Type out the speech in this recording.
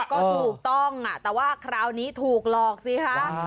ก็ถูกต้องแต่ว่าคราวนี้ถูกหลอกสิคะ